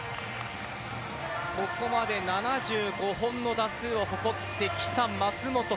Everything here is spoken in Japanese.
ここまで７５本の打数を誇ってきた舛本